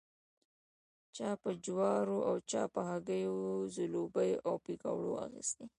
چا په جوارو او چا په هګیو ځلوبۍ او پیکوړې اخيستې.